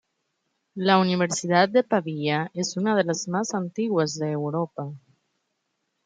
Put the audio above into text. La Universidad de Pavía es una de las más antiguas de Europa.